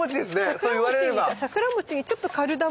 そう言われれば。